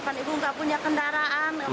kan ibu nggak punya kendaraan